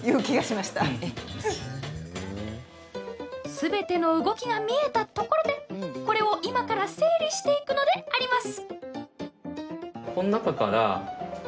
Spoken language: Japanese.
すべての動きが見えたところでこれを今から整理していくのであります！